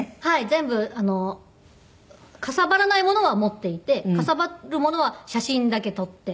全部かさばらないものは持っていてかさばるものは写真だけ撮って。